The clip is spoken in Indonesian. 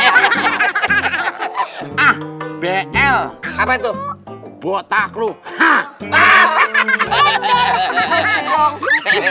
ah bl apa itu botak lu hah hah hah hah hah hah hah hah hah hah hah hah hah hah hah